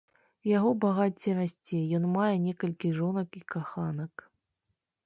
Яго багацце расце, ён мае некалькі жонак і каханак.